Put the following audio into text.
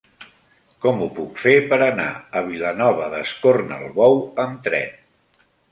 Com ho puc fer per anar a Vilanova d'Escornalbou amb tren?